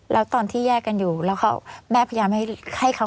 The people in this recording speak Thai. แล้วตอนที่แยกกันอยู่แล้วแม่พยายามให้เขา